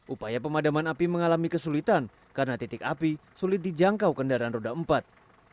upaya pemadaman api mengalami kesulitan karena titik api sulit dijangkau kendaraan roda empat